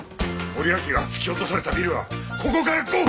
森脇が突き落とされたビルはここから５分です！